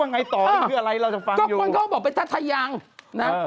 ก็คนเขาบอกเป็นทาทายังนะ